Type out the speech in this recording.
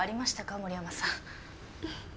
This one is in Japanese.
森山さん。